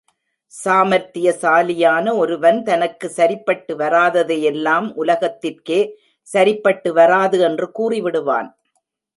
சாமார்த்தியசாலியான ஒருவன் தனக்கு சரிப்பட்டு வராததை எல்லாம் உலகத்திற்கே சரிப்பட்டு வராது என்று கூறிவிடுவான்.